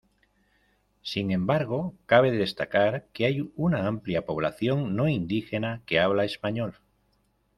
Sin embargo, cabe destacar que hay una amplia población no indígena, que habla español.